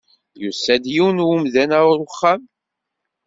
Yusa-d yiwen n umdan ɣer uxxam.